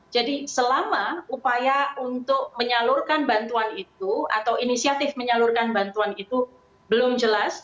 jadi selama upaya untuk menyalurkan bantuan itu atau inisiatif menyalurkan bantuan itu belum jelas